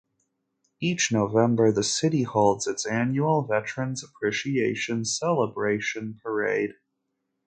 Each November the city holds its annual Veterans Appreciation Celebration parade.